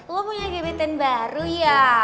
lo punya camitten baru ya